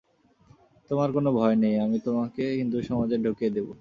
তোমার কোনো ভয় নেই, আমি তোমাকে হিন্দুসমাজে ঢুকিয়ে দেব।